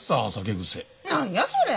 何やそれ！